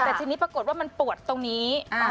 แต่ทีนี้ปรากฏว่ามันปวดตรงนี้